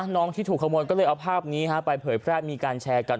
น้องที่ถูกขโมยก็เลยเอาภาพนี้ไปเผยแพร่มีการแชร์กัน